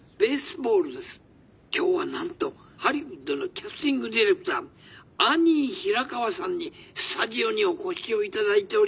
今日はなんとハリウッドのキャスティングディレクターアニー・ヒラカワさんにスタジオにお越しをいただいております。ウェルカム」。